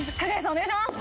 お願いします！